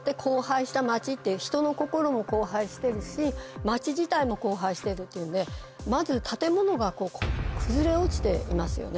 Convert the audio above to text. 人の心も荒廃してるし町自体も荒廃してるというんでまず建物が崩れ落ちていますよね。